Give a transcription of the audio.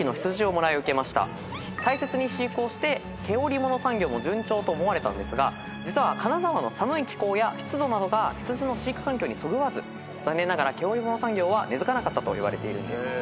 大切に飼育をして毛織物産業も順調と思われたんですが実は金沢の寒い気候や湿度などが羊の飼育環境にそぐわず残念ながら毛織物産業は根付かなかったといわれているんです。